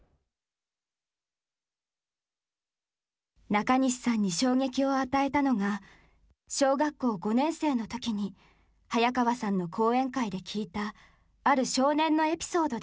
中西さんに衝撃を与えたのが小学校５年生の時に早川さんの講演会で聞いたある少年のエピソードでした。